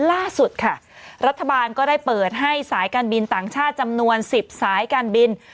ล่าสุดค่ะรัฐบาลก็ได้เปิดให้สายการบินต่างชาติจำนวน๑๐สายการบิน